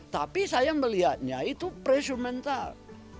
tapi saya melihatnya itu pressure mental